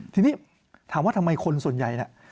ทีนี้ถามว่าทำไมคนส่วนใหญ่น่ะ